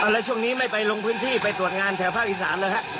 แล้วช่วงนี้ไม่ไปลงพื้นที่ไปตรวจงานแถวภาคอีสานนะครับ